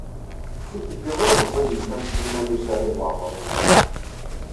Nitenti ur meẓẓiyit am Sliman U Saɛid Waɛmaṛ U Muḥ.